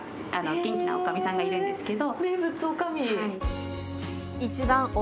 元気なおかみさんがいるんですけど。